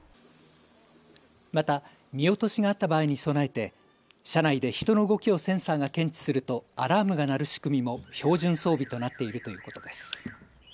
また見落としがあった場合に備えて車内で人の動きをセンサーが検知するとアラームが鳴る仕組みも標準装備になっているということです。